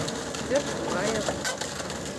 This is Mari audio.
Пӧрт тугаяк.